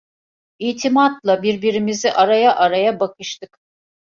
İtimatla, birbirimizi araya araya bakıştık.